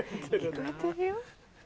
聞こえてるよ。